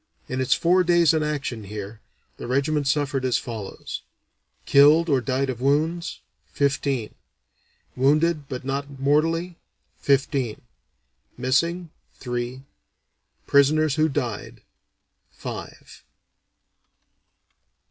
In its four days in action here, the regiment suffered as follows: Killed or died of wounds, fifteen; wounded but not mortally, fifteen; missing, three; prisoners who died, five.